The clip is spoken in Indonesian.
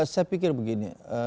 saya pikir begini